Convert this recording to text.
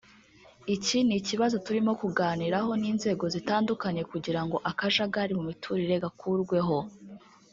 iki ni ikibazo turimo kuganiraho n’inzego zitandukanye kugira ngo akajagari mu miturire gakurweho